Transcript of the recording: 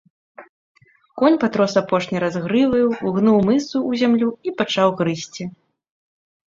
Конь патрос апошні раз грываю, угнуў мысу ў зямлю і пачаў грызці.